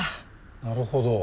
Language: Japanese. なるほど。